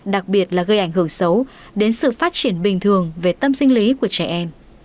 đặc biệt là gây ảnh hưởng xấu đến sự phát triển bình thường về tâm sinh lý của trẻ em